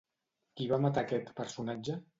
Qui va matar aquest personatge?